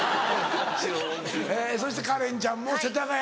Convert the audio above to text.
えそしてカレンちゃんも世田谷。